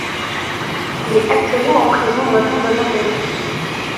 Il est actuellement en prison en attente d'un appel.